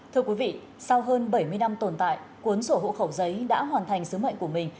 thưa quý vị sau hơn bảy mươi năm tồn tại cuốn sổ hộ khẩu giấy đã hoàn thành sứ mệnh của mình